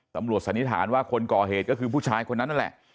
ตำรวจสันนิษฐานว่าคนก่อเหตุก็คือผู้ชายคนนั้นแหละ